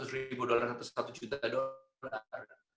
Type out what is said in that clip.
lima ratus ribu dolar atau satu juta dolar